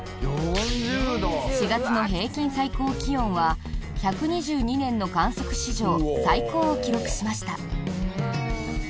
４月の平均最高気温は１２２年の観測史上最高を記録しました。